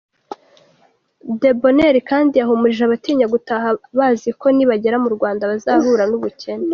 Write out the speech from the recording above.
Debonheur kandi yahumurije abatinya gutaha bazi ko nibagera mu Rwanda bazahura n’ubukene.